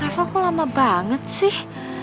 revo kok lama banget sih